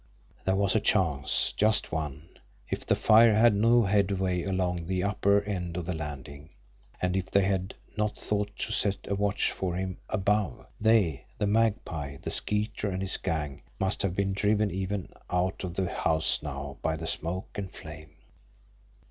There was a chance, just one if the fire had no headway along the upper end of the landing and if they had not thought to set a watch for him ABOVE! They the Magpie, the Skeeter, and his gang must have been driven even out of the house now by the smoke and flame.